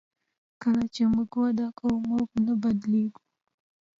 کله چې موږ وده کوو موږ نه بدلیږو.